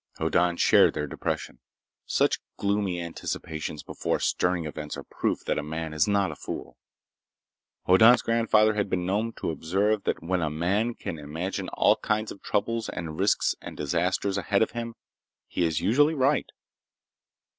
Hoddan shared their depression. Such gloomy anticipations before stirring events are proof that a man is not a fool. Hoddan's grandfather had been known to observe that when a man can imagine all kinds of troubles and risks and disasters ahead of him, he is usually right.